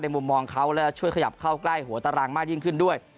มุมมองเขาและช่วยขยับเข้าใกล้หัวตารางมากยิ่งขึ้นด้วย